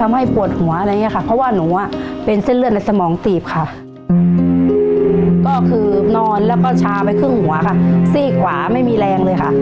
ทำให้ปวดหัวอะไรอย่างนี้ค่ะ